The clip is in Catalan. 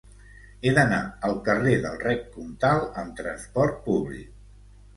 He d'anar al carrer del Rec Comtal amb trasport públic.